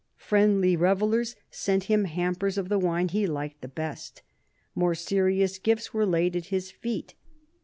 Friendly revellers sent him hampers of the wine he liked the best. More serious gifts were laid at his feet.